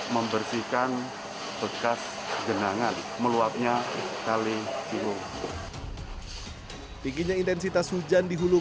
bjergsa bungkus rubung dipuncakan malam sepuluh sepuluh waktu setelah lonceng ke selesai yang muzik